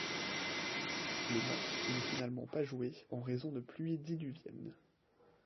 Le match n'est finalement pas joué en raison de pluies diluviennes.